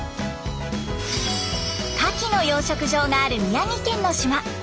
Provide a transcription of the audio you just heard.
カキの養殖場がある宮城県の島。